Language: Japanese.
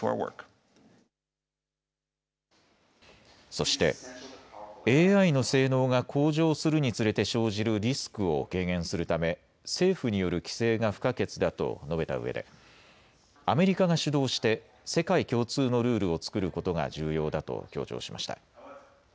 そしてＡＩの性能が向上するにつれて生じるリスクを軽減するため政府による規制が不可欠だと述べたうえでアメリカが主導して世界共通のルールを作ることが重要だと強調しました。